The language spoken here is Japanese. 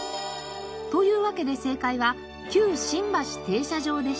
というわけで正解は「旧新橋停車場」でした。